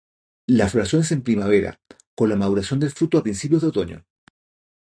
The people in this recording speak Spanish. La floración es en primavera, con la maduración del fruto a principios de otoño.